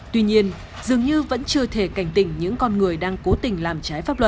tuy nhiên dường như vẫn chưa thể cảnh tỉnh những con người đang cố tình làm trái pháp luật